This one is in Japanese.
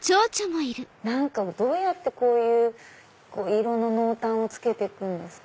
どうやってこういう色の濃淡をつけてくんですか？